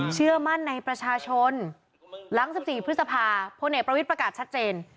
เชื่อมั่นในประชาชนหลัง๑๔พฤษภาพลเอกประวิทย์ประกาศชัดเจน